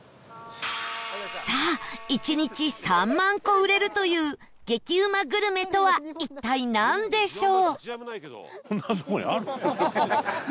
さあ、１日３万個売れるという激うまグルメとは一体、なんでしょう？